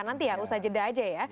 nanti ya usaha jeda aja ya